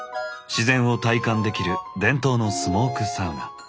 自然を体感できる伝統のスモークサウナ。